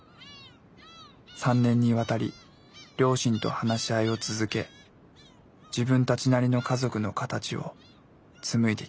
３年にわたり両親と話し合いを続け自分たちなりの家族の形を紡いできた。